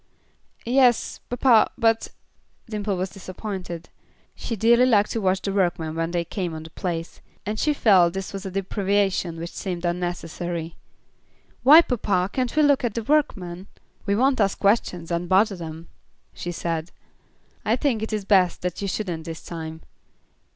"Yes papa but " Dimple was disappointed. She dearly liked to watch the workmen when they came on the place, and she felt this was a deprivation which seemed unnecessary. "Why, papa, can't we look at the workmen? We won't ask questions and bother them," she said. "I think it is best that you shouldn't this time.